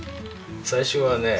最初はね